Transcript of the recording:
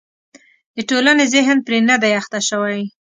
د ټولنې ذهن پرې نه دی اخته شوی.